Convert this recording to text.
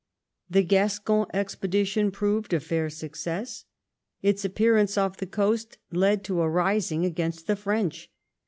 The Gascon expedition proved a fair success. Its appearance off the coast led to a rising against the French.